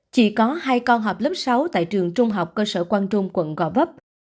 chỉ có hai con học lớp sáu tại trường trung học cơ sở quang trung quận gò vấp